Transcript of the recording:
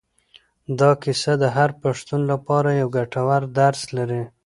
دا کیسه د هر پښتون لپاره یو ګټور درس لري.